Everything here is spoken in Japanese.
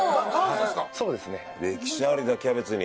そうですね